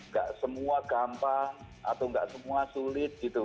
gak semua gampang atau enggak semua sulit gitu